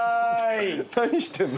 「何してんの？」